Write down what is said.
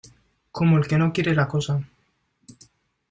como el que no quiere la cosa.